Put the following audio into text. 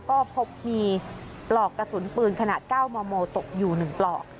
ก็พบมีปลอกกระสุนปืนขนาดเก้ามอมมอลตกอยู่หนึ่งปลอก